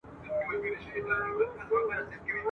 زور د شلو انسانانو ورسره وو ..